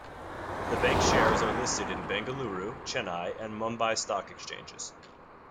The Bank's shares are listed in Bengaluru, Chennai, and Mumbai stock exchanges.